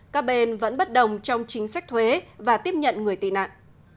các bên vẫn bất đồng trong chính sách thuế và tiếp nhận người tị nạn